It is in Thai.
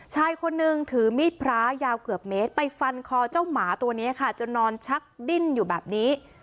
ชายคนนึงถือมีดพระยาวเกือบเมตรไปฟันคอเจ้าหมาตัวนี้ค่ะจนนอนชักดิ้นอยู่แบบนี้